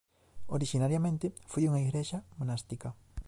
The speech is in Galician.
Orixinariamente foi unha igrexa monástica.